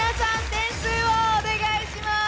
点数をお願いします。